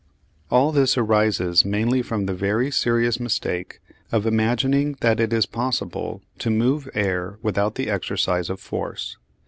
All this arises mainly from the very serious mistake of imagining that it is possible to move air without the exercise of force.